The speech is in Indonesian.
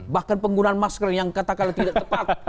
bahkan penggunaan masker yang katakanlah tidak tepat